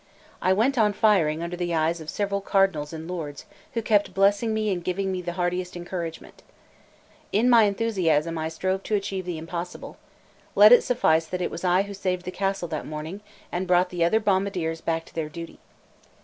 I went on firing under the eyes of several cardinals and lords, who kept blessing me and giving me the heartiest encouragement. In my enthusiasm I strove to achieve the impossible; let it suffice that it was I who saved the castle that morning, and brought the other bombardiers back to their duty.